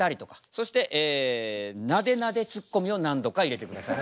そしてなでなでツッコミを何度か入れてください。